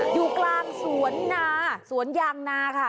อยู่กลางสวนนาสวนยางนาค่ะ